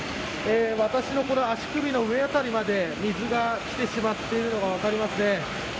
私の足首の上辺りまで水が来てしまっているのが分かります。